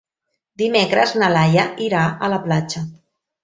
Dimecres na Laia irà a la platja.